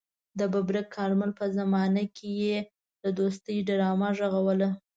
د ببرک کارمل په زمانه کې يې د دوستۍ ډرامه غږوله.